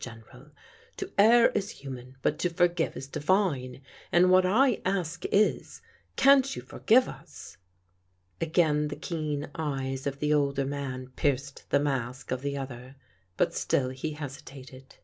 General. *To err is human but to forgive is divine,' and what I ask is : can't you forgive us?" Again the keen eyes of the older man pierced the mask of the other, but still he hesitated.